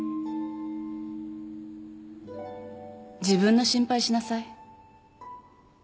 自分の心配しなさい。